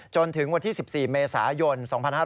จนถึงวันที่๑๔เมษายน๒๕๕๙